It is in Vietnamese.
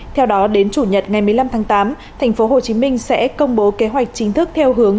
theo đó đến chủ nhật ngày một mươi năm tháng tám thành phố hồ chí minh sẽ công bố kế hoạch chính thức theo hướng